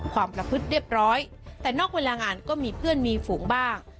ความประพฤติเรียบร้อยแต่นอกเวลางานก็มีเพื่อนมีฝูงบ้าง